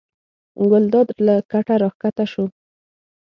ګلداد له کټه راکښته شو.